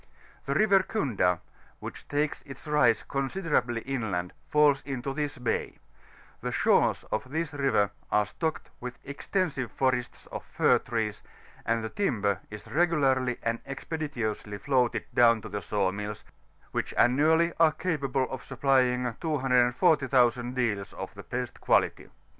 The River Kunda, which takes its rise considerably inland, falls into this ba^ ; the shores of this river are stocked with extensive forests of fir trees, and the timber is regularly and expeditiously floated down to the saw nulls, which annually are capable of supplying 240,000 deals, of the best quality.